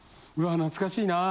懐かしいなぁ。